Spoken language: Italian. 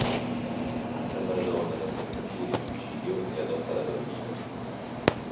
Salva la donna da un tentativo di suicidio e adotta la bambina.